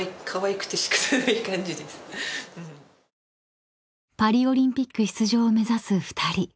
［パリオリンピック出場を目指す２人］